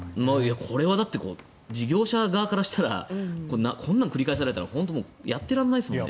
これはだって事業者側からしたらこんなん繰り返されたら本当にやってられないですよね